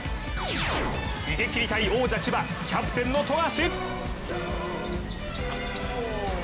逃げきりたい王者・千葉、キャプテンの富樫。